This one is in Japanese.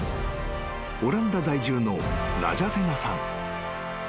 オランダ在住のラジャセナさん］